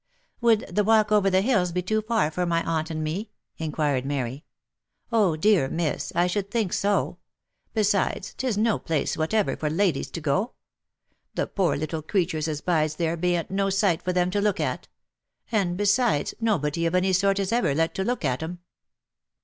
Would the walk over the hills be too far for my aunt and me?" inquired Mary. " Oh dear yes, miss ! I should think so ! Besides, 'tis no place whatever for ladies to go to. The poor little creturs as bides there bean't no sight for them to look at; and, besides, nobody of any sort is ever let to look at 'em."